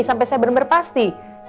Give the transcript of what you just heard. sampai saya bener bener pasti